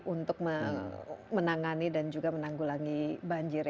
untuk menangani dan juga menanggulangi banjir